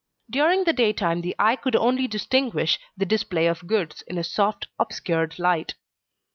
During the daytime the eye could only distinguish the display of goods, in a soft, obscured light.